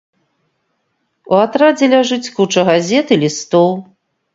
У атрадзе ляжыць куча газет і лістоў.